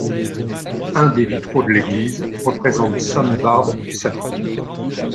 Un des vitraux de l'église représente sainte Barbe et sa tour.